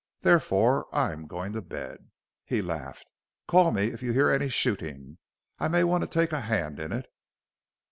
Therefore I am going to bed." He laughed. "Call me if you hear any shooting. I may want to take a hand in it."